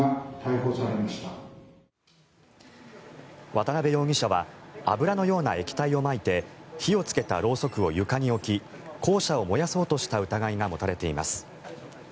渡辺容疑者は油のような液体をまいて火をつけたろうそくを床に置き校舎を燃やそうとした疑いが持たれています。